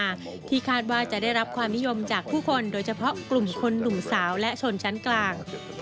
ที่คาดว่าจะได้รับความนิยมจากผู้คนโดยเฉพาะกลุ่มคนหนุ่มสาวและชนชั้นกลาง